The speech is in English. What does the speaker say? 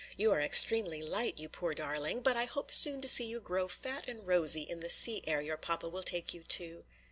"You are extremely light, you poor darling! but I hope soon to see you grow fat and rosy in the sea air your papa will take you to."